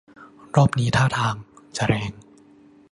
รอบนี้ท่าทาง จะแรง